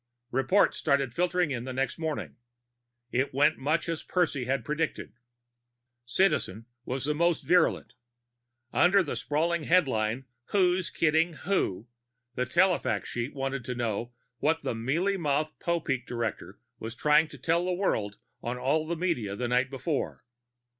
The reports started filtering in the next morning. It went much as Percy had predicted. Citizen was the most virulent. Under the sprawling headline, WHO'S KIDDING WHO? the telefax sheet wanted to know what the "mealy mouthed" Popeek director was trying to tell the world on all media the night before.